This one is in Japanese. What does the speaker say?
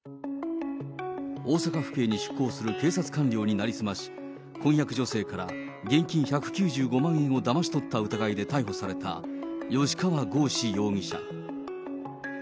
大阪府警に出向する警察官僚に成り済まし、婚約女性から現金１９５万円をだまし取った疑いで逮捕された吉川剛司容疑者。